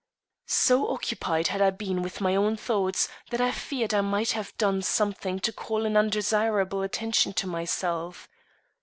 So occupied had I been with my own thoughts that I feared I might have done something to call an undesirable attention to myself.